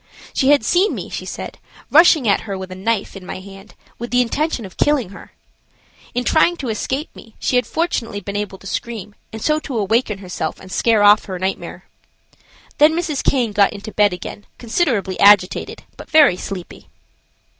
She had seen me, she said, rushing at her with a knife in my hand, with the intention of killing her. In trying to escape me she had fortunately been able to scream, and so to awaken herself and scare off her nightmare. Then Mrs. Caine got into bed again, considerably agitated, but very sleepy.